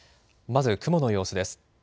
まず雲の様子です。